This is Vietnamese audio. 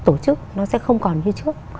tổ chức nó sẽ không còn như trước